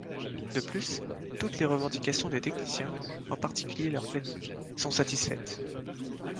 De plus, toutes les revendications des techniciens, en particulier leur planning, sont satisfaites.